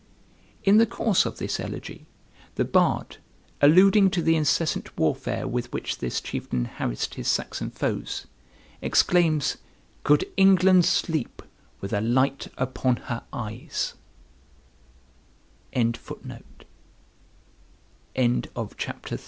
In the course of this Elegy the bard, alluding to the incessant warfare with which this chieftain harassed his Saxon foes, exclaims, "Could England sleep with the light upon her eyes'"] CHAPTER IV THE LADY OF THE